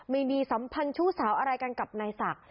มีความสัมพันธ์ชู้สาวอะไรกันกับนายศักดิ์